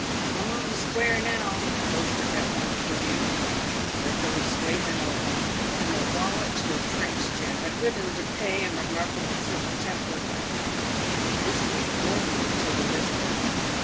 " I'm on the square now," boasted that won derful youth ;" regular straight and open. I'm a w r allet to a French gent, a good 'un to pay, and remarkable civil tempered." This was wormwood to the listener.